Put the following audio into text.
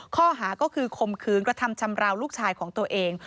ข้อหาก็คือโขมคืนกระทำชำเราลูกชายของวันนี้